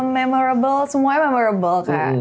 memorable semuanya memorable kak